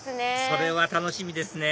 それは楽しみですね